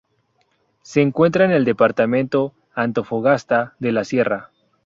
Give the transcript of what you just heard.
Se encuentra en el departamento Antofagasta de la Sierra.